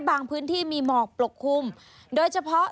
สวยจ้าง